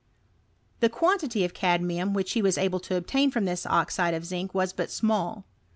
The quantity of cadmium which he was able to obtain from this oxide of zinc was but small.